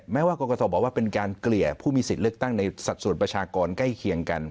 แม้ว่ากรกตบอกว่าเป็นการเกลี่ยผู้มีสิทธิ์เลือกตั้งในสัดส่วนประชากรใกล้เคียงกัน